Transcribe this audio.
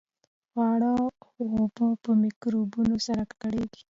خواړه او اوبه په میکروبونو سره ککړېږي.